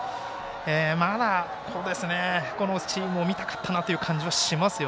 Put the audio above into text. まだ、このチームを見たかったという気はします。